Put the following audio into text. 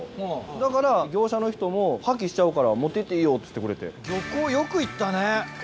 だから業者の人も破棄しちゃうから持ってっていいよっつってくれて。